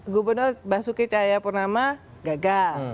gubernur basuki cahaya purnama gagal